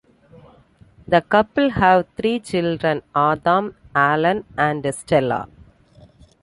The couple have three children: Adam, Alan and Stella.